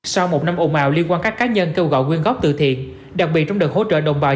sau một năm ồn ào liên quan các cá nhân kêu gọi quyên góp từ thiện đặc biệt trong đợt hỗ trợ đồng bào